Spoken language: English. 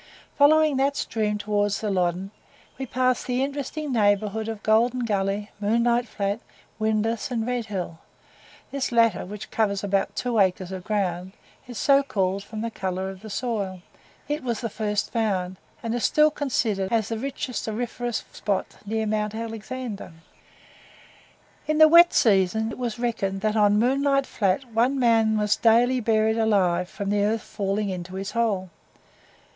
Following that stream towards the Loddon, we pass the interesting neighbourhood of Golden Gully, Moonlight Flat, Windlass and Red Hill; this latter which covers about two acres of ground is so called from the colour of the soil, it was the first found, and is still considered as the richest auriferous spot near Mount Alexander. In the wet season, it was reckoned that on Moonlight Flat one man was daily buried alive from the earth falling into his hole.